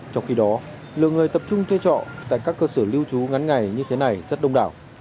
trong khi đó lượng người tập trung thuê trọ tại các cơ sở lưu trú ngắn ngày như thế này rất đông đảo